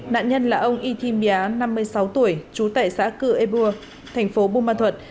nạn nhân là ông ythim bia năm mươi sáu tuổi trú tại xã cựa ebua thành phố bùa măn thuật